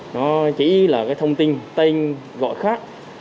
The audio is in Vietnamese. nó chỉ là cái thông tin tên gọi khác